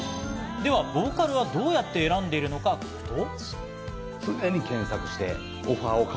ではボーカルはどうやって選んでいるのかというと。